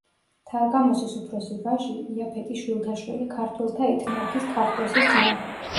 თარგამოსის უფროსი ვაჟი, იაფეტის შვილთაშვილი, ქართველთა ეთნარქის, ქართლოსის ძმა.